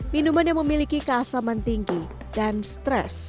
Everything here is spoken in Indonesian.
minuman yang memiliki keasaman tinggi dan stres